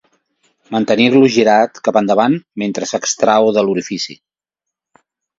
Mantenir-lo girat cap endavant mentre s'extrau de l'orifici.